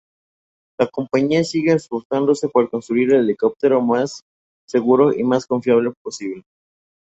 La compañía sigue esforzándose por construir el helicóptero más seguro y más confiable posible.